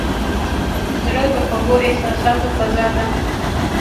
زړه د خوږو احساساتو فضا ده.